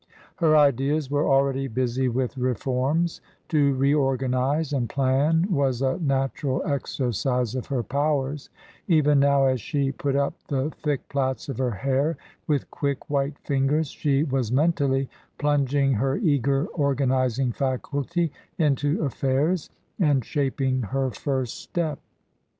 Her ideas were already busy with " reforms ;" to reorganize and plan was a natural exercise of her powers ; even now, as she put up the thick plaits of her hair with quick white fingers, she was mentally plunging her eager organizing faculty into affairs and shaping her first step.